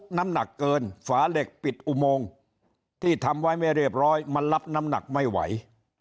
น้ำหนักเกินฝาเหล็กปิดอุโมงที่ทำไว้ไม่เรียบร้อยมันรับน้ำหนักไม่ไหว